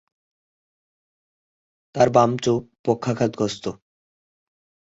তার বাম চোখ পক্ষাঘাতগ্রস্ত।